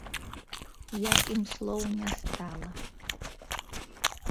Як ім слоў не стала.